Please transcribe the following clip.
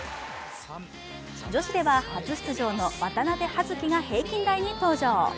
女子では、初出場の渡部葉月が平均台に登場。